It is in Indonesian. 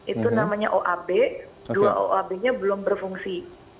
itu namanya oab dua oab nya belum berfungsi